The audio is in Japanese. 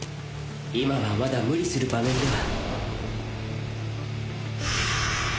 今はまだ無理する場面では。